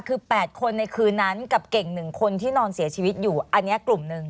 คือ๘คนในคืนนั้นกับเก่ง๑คนที่นอนเสียชีวิตอยู่อันนี้กลุ่มหนึ่ง